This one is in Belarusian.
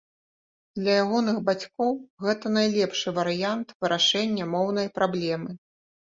Для ягоных бацькоў гэта найлепшы варыянт вырашэння моўнай праблемы.